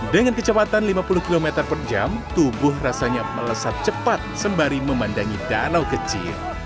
dengan kecepatan lima puluh km per jam tubuh rasanya melesat cepat sembari memandangi danau kecil